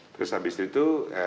terus habis itu